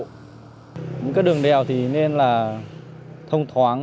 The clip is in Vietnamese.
những các đường đèo thì nên là thông thoáng